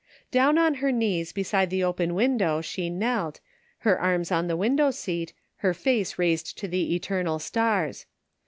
Down on her knees beside the open, window she knelt, her arms on the window seat, her face raised to the eternal stars.